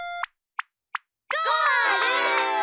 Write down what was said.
ゴール！